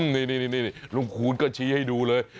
นี่ลุงคูณก็ชี้ให้ดูเลย